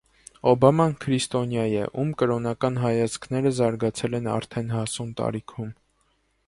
Օբաման քրիստոնյա է, ում կրոնական հայացքները զարգացել են արդեն հասուն տարիքում։